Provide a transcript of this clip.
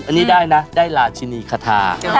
อันนี้ได้นะได้ราชินีคาทา